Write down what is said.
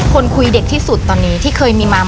คนคุยเด็กที่สุดตอนนี้ที่เคยมีมา